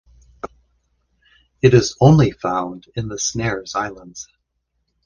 It is only found in the Snares Islands.